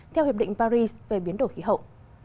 theo hiệp định paris về biến đổi khí hậu